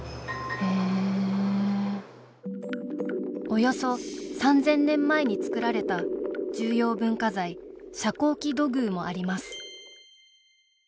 およそ３，０００年前に作られた重要文化財「遮光器土偶」もあります